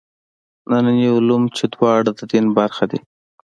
ننني علوم چې دواړه د دین برخه دي.